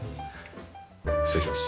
失礼します。